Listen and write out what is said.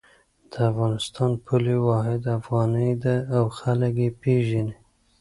د افغانستان پولي واحد افغانۍ ده او خلک یی پیژني